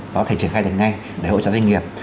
có thể triển khai được ngay để hỗ trợ doanh nghiệp